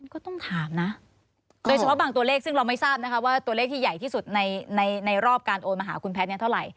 ก็ต้องถามนะโดยเฉพาะบางตัวเลขซึ่งเราไม่ทราบนะคะว่าตัวเลขที่ใหญ่ที่สุดในรอบการโอนมาหาคุณแพทย์เนี่ยเท่าไหร่